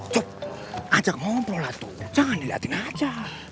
cukup ajak ngomong prolatu jangan diliatin aja